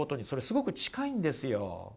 すごく近いんですよ。